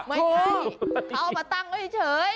ไม่ใช่เขาเอามาตั้งไว้เฉย